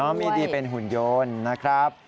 มีดีเป็นหุ่นยนต์นะครับ